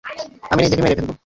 আমি নিজেকে মেরে ফেলব।